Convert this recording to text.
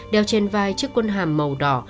đeo trên vai chiếc quân hàm màu đỏ